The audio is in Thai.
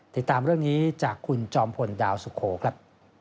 ติดตามเรื่องนี้จากคุณจอมพลดาวสุโขครับ